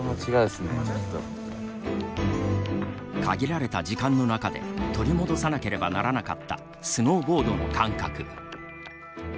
限られた時間の中で取り戻さなければならなかったスノーボードの感覚。